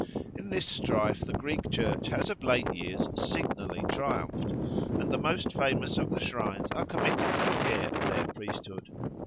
In this strife the Greek Church has of late years signally triumphed, and the most famous of the shrines are committed to the care of their priesthood.